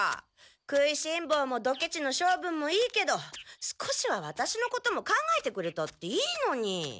食いしんぼうもドケチのしょう分もいいけど少しはワタシのことも考えてくれたっていいのに。